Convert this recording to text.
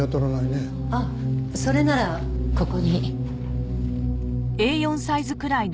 あっそれならここに。